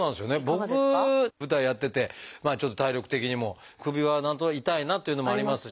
僕舞台やっててまあちょっと体力的にも首は何となく痛いなというのもあります。